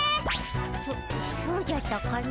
そそうじゃったかの。